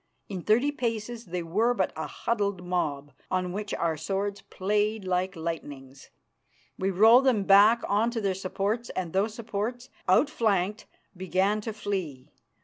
In thirty paces they were but a huddled mob, on which our swords played like lightnings. We rolled them back on to their supports, and those supports, outflanked, began to flee.